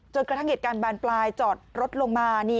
กระทั่งเหตุการณ์บานปลายจอดรถลงมา